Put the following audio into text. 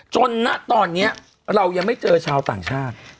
ณตอนนี้เรายังไม่เจอชาวต่างชาติ